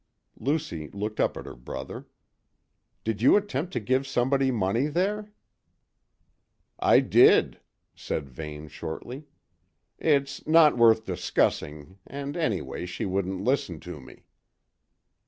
Lucy looked up at her brother. "Did you attempt to give somebody money there?" "I did," said Vane shortly. "It's not worth discussing, and anyway she wouldn't listen to me."